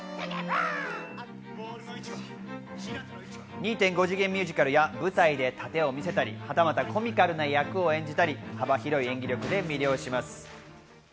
２．５次元ミュージカルや舞台で殺陣を見せたり、コミカルな役を演じたり幅広い演技力で魅了します。